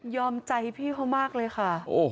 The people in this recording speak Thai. ใจพี่เขามากเลยค่ะ